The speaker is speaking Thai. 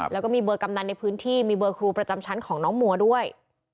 แล้วก็มีเบอร์กำนันในพื้นที่มีเบอร์ครูประจำชั้นของน้องมัวด้วย